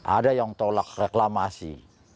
ada yang tolak reklamasi